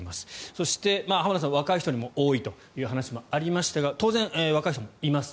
そして、浜田さん若い人にも多いという話もありましたが当然、若い人もいます。